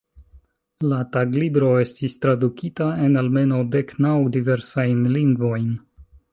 La taglibro estis tradukita en almenaŭ dek naŭ diversajn lingvojn.